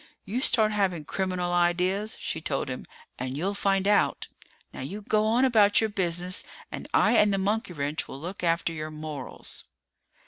"You start having criminal ideas," she told him, "and you'll find out! Now you go on about your business and I and the monkey wrench will look after your morals!"